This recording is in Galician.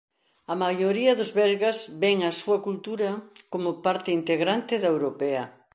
A maioría dos belgas ven a súa cultura coma parte integrante da europea.